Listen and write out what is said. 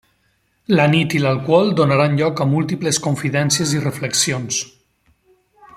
La nit i l'alcohol donaran lloc a múltiples confidències i reflexions.